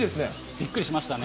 びっくりしましたね。